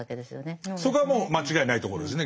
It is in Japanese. そこはもう間違いないとこですね。